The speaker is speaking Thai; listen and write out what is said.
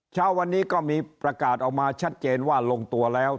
เช้าวันนี้ก็มีประกาศออกมาชัดเจนว่าลงตัวแล้ว